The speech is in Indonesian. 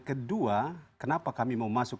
kedua kenapa kami mau masuk